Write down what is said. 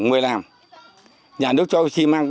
người làm nhà nước cho xi măng